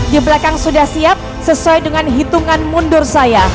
di belakang sudah siap sesuai dengan hitungan mundur saya